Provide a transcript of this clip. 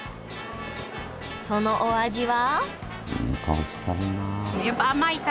そのお味は？